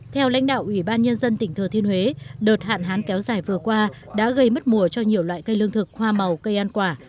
theo lãnh đạo ủy ban nhân dân tỉnh thừa thiên huế đợt hạn hán kéo dài vừa qua đã gây mất mùa cho nhiều loại cây lương thực hoa màu cây ăn quả